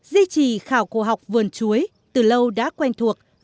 di trì khảo cổ học vườn chuối từ lâu đã quen thuộc